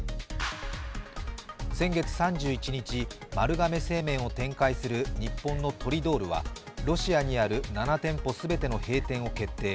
先月３１日、丸亀製麺を展開する日本のトリドールはロシアにある７店舗全ての閉店を決定。